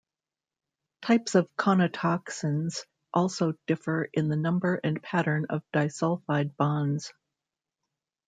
Types of conotoxins also differ in the number and pattern of disulfide bonds.